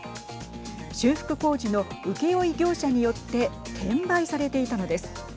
修復工事の請負業者によって転売されていたのです。